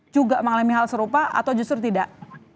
juga mengalami hal serupa atau justru tidak